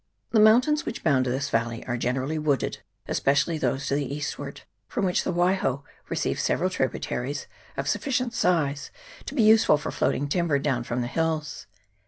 The mountains which bound this valley are gene rally wooded, especially those to the eastward, from which the Waiho receives several tributaries of suf ficient size to be useful for floating timber down from the hills.